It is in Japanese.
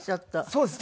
そうです。